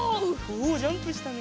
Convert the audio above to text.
おおジャンプしたね。